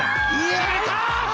決めた！